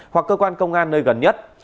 hoặc cơ quan công an nơi gần nhất